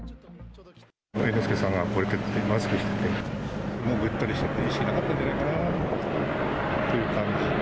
猿之助さんがこうやって、マスクしてて、もうぐったりしてて、意識なかったんじゃないかなという感じ。